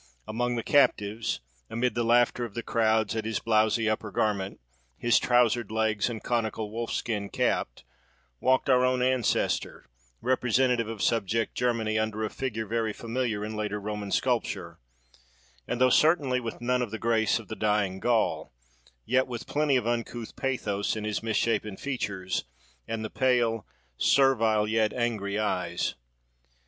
Among the captives, amid the laughter of the crowds at his blowsy upper garment, his trousered legs and conical wolf skin cap, walked our own ancestor, representative of subject Germany, under a figure very familiar in later Roman sculpture; and, though certainly with none of the grace of the Dying Gaul, yet with plenty of uncouth pathos in his misshapen features, and the pale, servile, yet angry eyes.